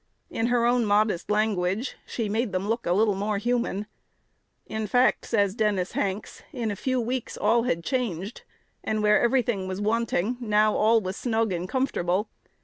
In her own modest language, she "made them look a little more human." "In fact," says Dennis Hanks, "in a few weeks all had changed; and where every thing was wanting, now all was snug and comfortable.